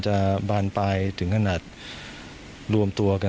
ก็ไม่ได้คิดอะไรมาก